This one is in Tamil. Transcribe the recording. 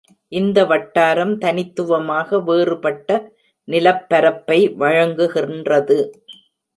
இந்த வட்டாரம் தனித்துவமாக வேறுபட்ட நிலப்பரப்பை வழங்குகின்றது.